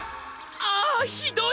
ああひどい！